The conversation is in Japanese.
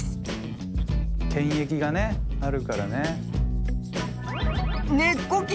検疫がねあるからね。